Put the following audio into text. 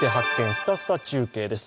すたすた中継」です。